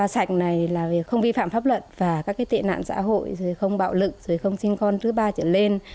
năm trăm linh ba sạch này là không vi phạm pháp luật và các tệ nạn xã hội không bạo lực không sinh con thứ ba trở lên